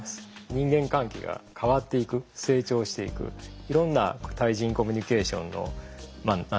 人間関係が変わっていく成長していくいろんな対人コミュニケーションの何ですかね